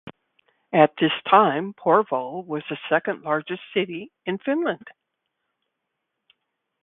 At this time, Porvoo was the second largest city in Finland.